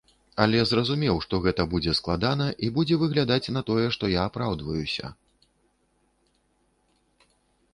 Але зразумеў, што гэта будзе складана і будзе выглядаць на тое, што я апраўдваюся.